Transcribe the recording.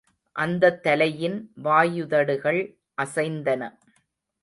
அந்தத் தலையின் வாயுதடுகள் அசைந்தன.